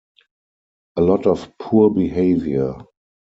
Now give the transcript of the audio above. A lot of poor behavior.